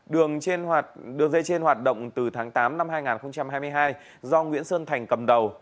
đường trên đường dây trên hoạt động từ tháng tám năm hai nghìn hai mươi hai do nguyễn sơn thành cầm đầu